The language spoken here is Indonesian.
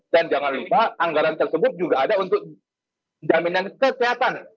dan jangan lupa anggaran tersebut juga ada untuk jaminan kesehatan